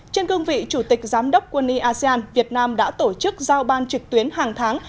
trên cương vị chủ tịch giám đốc quân y asean việt nam đã tổ chức giao ban trực tuyến hàng tháng